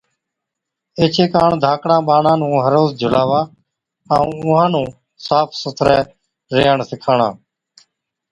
ايڇي ڪاڻ ڌاڪڙان ٻاڙان نُون هر روز جھُلاوا ائُون اُونهان نُون صاف سُٿرَي ريهڻ سِکاڻا